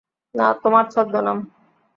না, তোমার ছদ্মনাম।